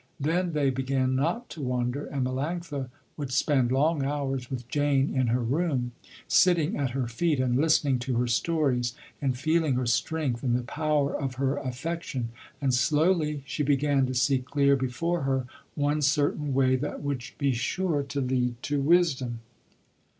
Then they began not to wander, and Melanctha would spend long hours with Jane in her room, sitting at her feet and listening to her stories, and feeling her strength and the power of her affection, and slowly she began to see clear before her one certain way that would be sure to lead to wisdom.